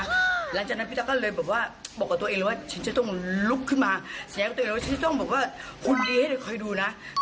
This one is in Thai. หลังจากนั้นพี่ตั๊กก็เลยบอกว่าบอกกับตัวเองเลยว่าเชิญผมไปดูแล